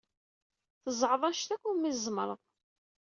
Tzeɛḍeḍ anect akk umi tzemreḍ.